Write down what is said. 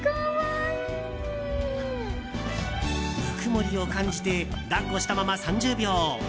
ぬくもりを感じて抱っこしたまま３０秒。